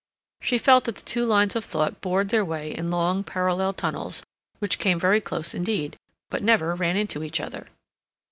She felt that the two lines of thought bored their way in long, parallel tunnels which came very close indeed, but never ran into each other.